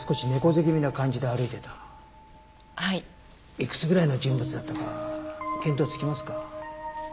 いくつぐらいの人物だったか見当つきますか？